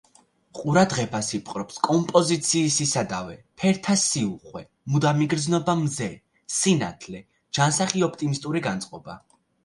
ყურადღებას იპყრობს კომპოზიციის სისადავე, ფერთა სიუხვე, მუდამ იგრძნობა მზე, სინათლე, ჯანსაღი ოპტიმისტური განწყობა.